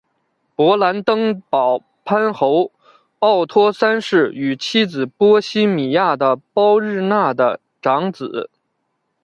勃兰登堡藩侯奥托三世与妻子波希米亚的鲍日娜的长子。